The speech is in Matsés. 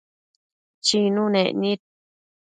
Chinunec nid